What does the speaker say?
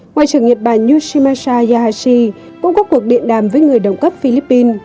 ngoại trưởng nhật bản yoshimasa yahashi cũng có cuộc điện đàm với người đồng cấp philippines